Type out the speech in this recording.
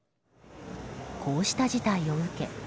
こうした事態を受け